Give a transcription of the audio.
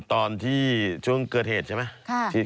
ตอนที่ช่วงเกิดเหตุใช่ไหม